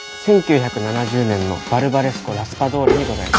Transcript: １９７０年のバルバレスコ・ラスパドーリでございます。